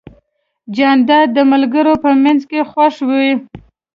جانداد د ملګرو په منځ کې خوښ وي.